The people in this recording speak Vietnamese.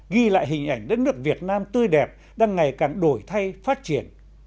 ghi lại hình ảnh đất nước việt nam tươi đẹp đang ngày càng đổi thay phát triển